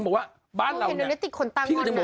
นี่ติดขนตางอยู่อันนี้